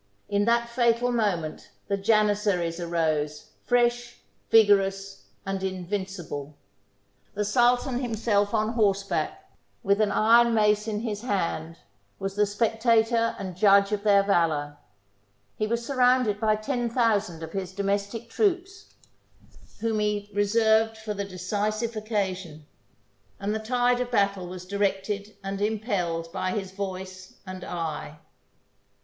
In that fatal moment the Janizaries arose, fresh, vigorous, and invincible. The sultan himself on horseback, with an iron mace in his hand, was the spectator and judge of their valour; he was sur rounded by ten thousand of his domestic troops, whom he THE BOOK OF FAMOUS SIEGES reserved for the decisive occasion; and the tide of battle was directed and impelled by his voice and eye.